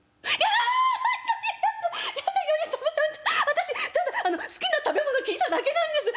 私ただあの好きな食べ物聞いただけなんです。